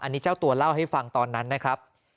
อันนี้เจ้าตัวเล่าให้ฟังตอนนั้นนะครับ